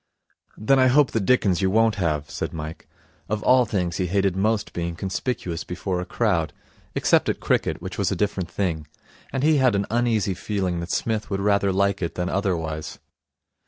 'Then I hope the dickens you won't have,' said Mike. Of all things he hated most being conspicuous before a crowd except at cricket, which was a different thing and he had an uneasy feeling that Psmith would rather like it than otherwise.